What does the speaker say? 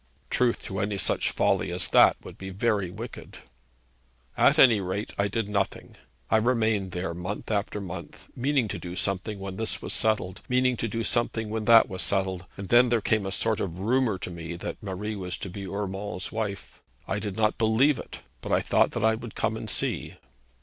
'Truth to any such folly as that would be very wicked.' 'At any rate, I did nothing. I remained there month after month; meaning to do something when this was settled, meaning to do something when that was settled; and then there came a sort of rumour to me that Marie was to be Urmand's wife. I did not believe it, but I thought that I would come and see.'